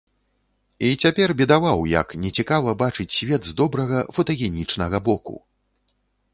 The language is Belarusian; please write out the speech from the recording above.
І цяпер бедаваў, як нецікава бачыць свет з добрага, фотагенічнага боку!